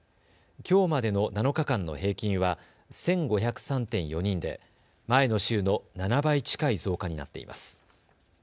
きょうまでの７日間の平均は１５０３．４人で前の週の７倍近い増加になっています。